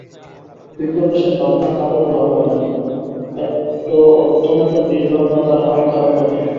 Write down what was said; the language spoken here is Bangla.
বিপ্রদাসের ভাবনা কালুর ভালো লাগে না– এত অত্যন্ত নির্ভাবনা তার আরো খারাপ লাগে।